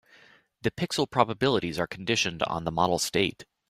The pixel probabilities are conditioned on the model state.